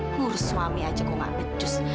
ngurus suami aja kok gak becus